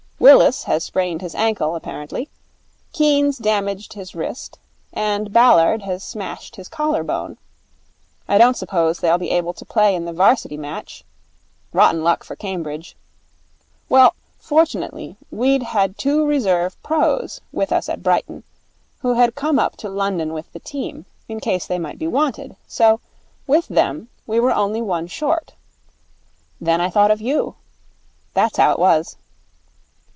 Willis has sprained his ankle, apparently; Keene's damaged his wrist; and Ballard has smashed his collar bone. I don't suppose they'll be able to play in the 'Varsity match. Rotten luck for Cambridge. Well, fortunately we'd had two reserve pros, with us at Brighton, who had come up to London with the team in case they might be wanted, so, with them, we were only one short. Then I thought of you. That's how it was.'